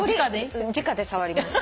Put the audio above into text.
じかで触りました。